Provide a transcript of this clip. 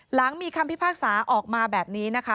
หลังมีคำพิพากษาออกมาแบบนี้นะคะ